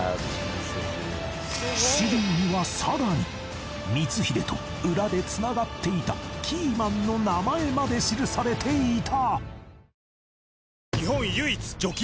史料にはさらに光秀と裏で繋がっていたキーマンの名前まで記されていた